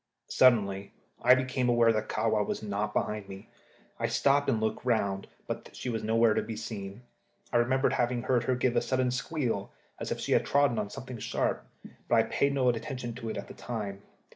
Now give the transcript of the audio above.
Suddenly I became aware that Kahwa was not behind me. I stopped and looked round, but she was nowhere to be seen. I remembered having heard her give a sudden squeal, as if she had trodden on something sharp, but I had paid no attention to it at the time.